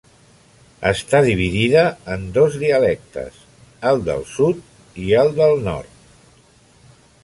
Està dividida en dos dialectes: el del sud i el del nord.